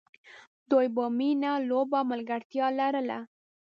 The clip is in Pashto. دوی به مینه، لوبه او ملګرتیا لرله.